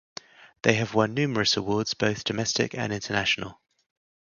They have won numerous awards, both domestic and international.